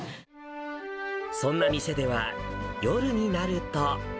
そんな店では夜になると。